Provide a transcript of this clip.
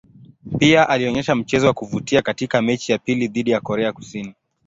Pia alionyesha mchezo wa kuvutia katika mechi ya pili dhidi ya Korea Kusini.